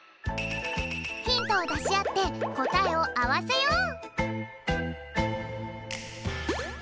ヒントをだしあってこたえをあわせよう！